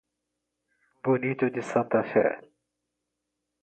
Bonito de Santa Fé